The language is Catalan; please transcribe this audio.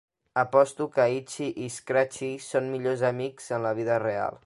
Aposto que Itchy i Scratchy són millors amics en la vida real.